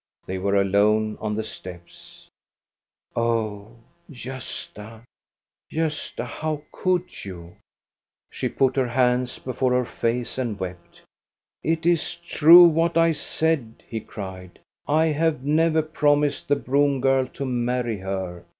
They were alone on the steps. " Oh, Gosta, Gosta, how could you !" She put her hands before her face and wept. " It is true what I said, " he cried. " I have never promised the broom girl to marry her.